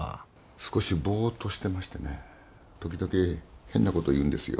少しぼーっとしてましてね時々変なことを言うんですよ。